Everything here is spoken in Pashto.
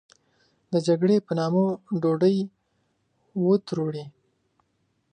د جګړې په نامه ډوډۍ و تروړي.